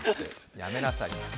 やめなさい。